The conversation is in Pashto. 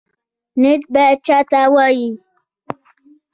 نیت باید چا ته وي؟